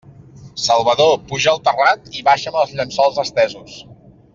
Salvador, puja al terrat i baixa'm els llençols estesos!